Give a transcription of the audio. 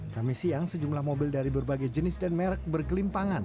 kami siang sejumlah mobil dari berbagai jenis dan merek berkelimpangan